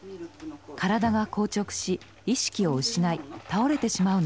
体が硬直し意識を失い倒れてしまうのです。